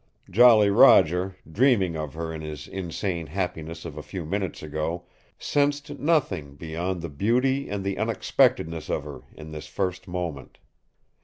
Jolly Roger, dreaming of her in his insane happiness of a few minutes ago, sensed nothing beyond the beauty and the unexpectedness of her in this first moment.